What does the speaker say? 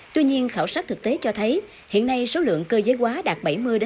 tuy nhiên khảo sát thực tế cho thấy hiện nay số lượng cơ giới quá đạt bảy mươi ba mươi